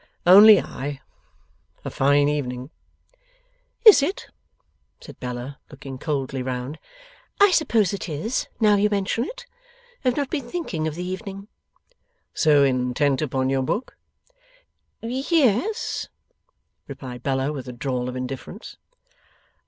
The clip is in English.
'Only I. A fine evening!' 'Is it?' said Bella, looking coldly round. 'I suppose it is, now you mention it. I have not been thinking of the evening.' 'So intent upon your book?' 'Ye e es,' replied Bella, with a drawl of indifference.